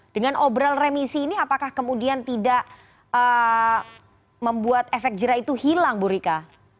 dengan obrol remisi ini apakah kemudian tidak membuat efek jerah itu hilang bu rika